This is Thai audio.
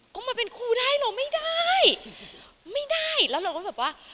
เขามาเป็นครูได้เราไม่ได้ไม่ได้แล้วเราก็แบบว่า